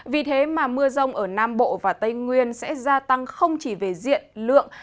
vì thế mà mưa rông ở nam bộ và tây nguyên sẽ gia tăng không chỉ về diện lượng